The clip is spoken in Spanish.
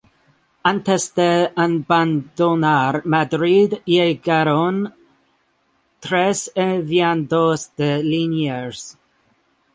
Antes de abandonar Madrid llegaron tres enviados de Liniers.